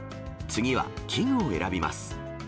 次は器具を選びます。